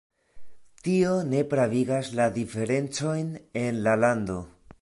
Tio ne pravigas la diferencojn en la lando.